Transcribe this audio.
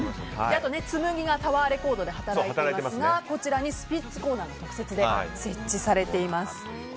あと紬がタワーレコードで働いていますがこちらにスピッツコーナーが特設で設置されています。